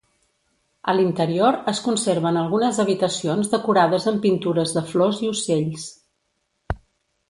A l'interior es conserven algunes habitacions decorades amb pintures de flors i ocells.